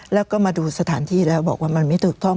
แล้วก็มาดูสถานที่แล้วบอกว่ามันไม่ถูกต้อง